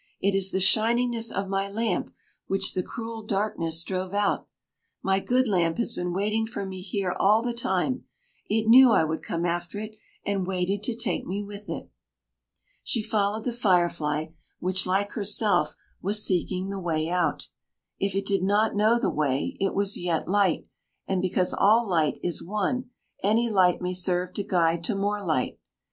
"It is the shiningness of my lamp, which the cruel darkness drove out. My good lamp has been waiting for me here all the time! It knew I would come after it, and waited to take me with it." She followed the fire fly, which, like herself, was seeking the way out. If it did not know the way, it was yet light; and because all light is one, any light may serve to guide to more light.